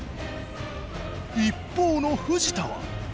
一方の藤田は。